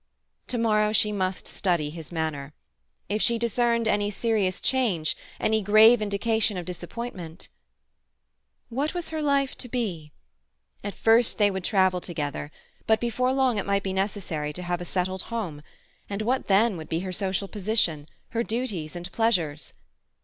To morrow she must study his manner. If she discerned any serious change, any grave indication of disappointment— What was her life to be? At first they would travel together; but before long it might be necessary to have a settled home, and what then would be her social position, her duties and pleasures?